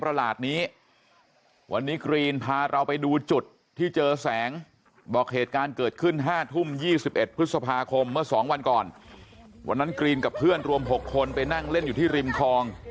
ประหลาดนี้วันนี้กรีนพาเราไปดูจุดที่เจอแสงบอกเหตุการณ์